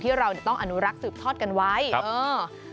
เราต้องอนุรักษ์สืบทอดกันไว้เออ